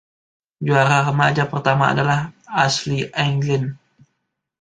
Juara remaja pertama adalah Ashley Anglin.